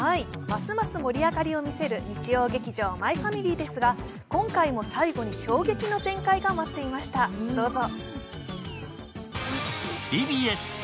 ますます盛り上がりを見せる日曜劇場「マイファミリー」ですが、今回も最後に衝撃の展開が待っていました、どうぞ。